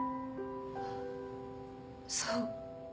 そう。